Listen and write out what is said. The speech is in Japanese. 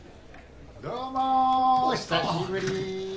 どうも久しぶり！